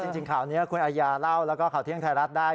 จริงข่าวนี้คุณอาญาเล่าแล้วก็ข่าวเที่ยงไทยรัฐได้